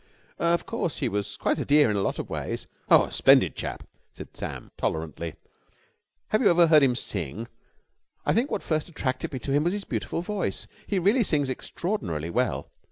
"Of course, he was quite a dear in a lot of ways." "Oh, a splendid chap," said Sam tolerantly. "Have you ever heard him sing? I think what first attracted me to him was his beautiful voice. He really sings extraordinarily well."